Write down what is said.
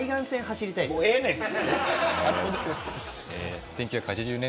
もうええねん。